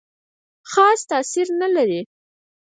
خاص تاثیر نه لري.